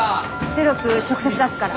テロップ直接出すから。